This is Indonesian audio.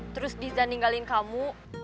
terus disandinggalin kamu